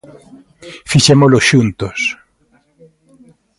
Fixémolo xuntos.